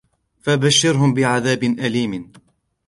فَبَشِّرْهُمْ بِعَذَابٍ أَلِيمٍ